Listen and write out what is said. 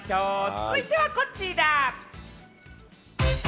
続いてはこちら。